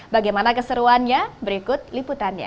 bagaimana keseruannya berikut liputannya